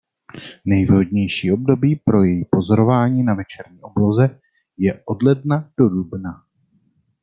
Nejvhodnější období pro její pozorování na večerní obloze je od ledna do dubna.